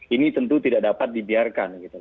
ini tentu tidak dapat dibiarkan gitu